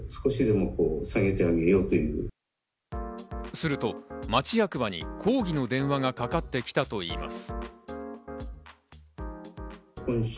すると町役場に抗議の電話がかかってきたといいます。